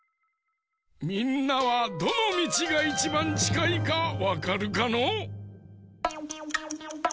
みんなはどのみちがいちばんちかいかわかるかのう？